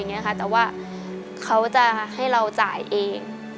แต่ว่าเขาจะให้เราจ่ายเอง